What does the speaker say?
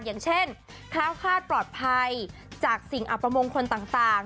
อย่างเช่นแคล้วคาดปลอดภัยจากสิ่งอัปมงคลต่าง